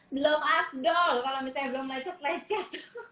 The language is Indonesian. belum afdol kalau misalnya belum melecet lecet